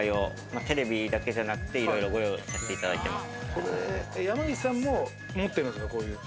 テレビだけじゃなくて、いろいろご用意しています。